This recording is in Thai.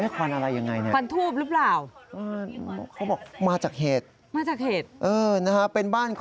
ควันอะไรอย่างไรน่ะควันทูบหรือเปล่า